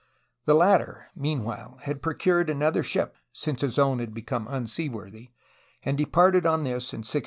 The latter, mean while, had procured another ship, since his own had become unseaworthy, and departed on this in 1613.